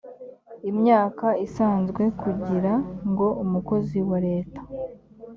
imyaka isanzwe kugira ngo umukozi wa leta